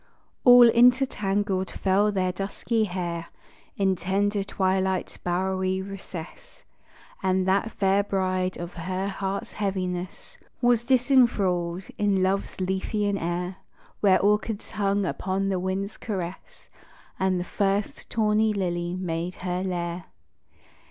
All intertangled fell their dusky hair In tender twilight's bowery recess; And that fair bride of her heart heaviness Was disenthralled in love's Lethean air, Where orchids hung upon the wind's caress, And the first tawny lily made her lair.